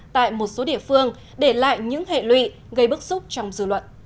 tại một số địa phương để lại những hệ lụy gây bức xúc trong dư luận